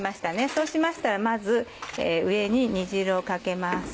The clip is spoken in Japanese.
そうしましたらまず上に煮汁をかけます。